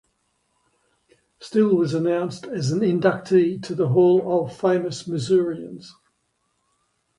Still was announced as an inductee to the Hall of Famous Missourians.